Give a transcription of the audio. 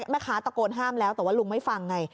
แม่ค้าตะโกนห้ามแล้วแต่ว่าลุงไม่ฟังไง